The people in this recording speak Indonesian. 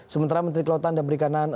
sementara menteri kelautan dan perikanan